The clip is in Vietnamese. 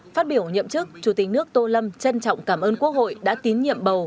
phát biểu nhậm chức chủ tịch nước tô lâm trân trọng cảm ơn quốc hội đã tín nhiệm bầu